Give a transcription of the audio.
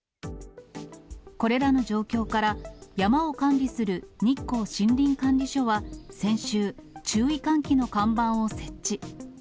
これらの状況から、山を管理する日光森林管理署は、先週、注意喚起の看板を設置。